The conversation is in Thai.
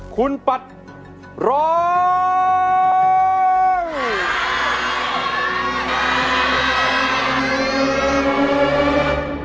คุณปัดร้อง